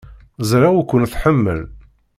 Ẓriɣ ur ken-tḥemmel.